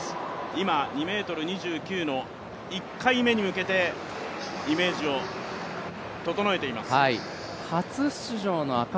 今、２ｍ２９の１回目に向けてイメージを整えています。